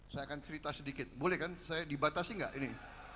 saya akan cerita sedikit boleh kan saya dibatasi nggak ini